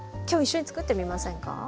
今日一緒につくってみませんか？